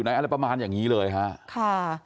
ค่ะเปลี่ยนไปเลยค่ะ